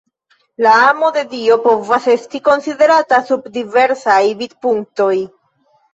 La amo de Dio povas esti konsiderata sub diversaj vidpunktoj.